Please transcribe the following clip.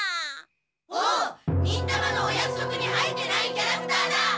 おっ忍たまのお約束に入ってないキャラクターだ！